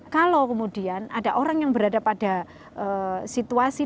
kalau kemudian ada orang yang berada pada situasi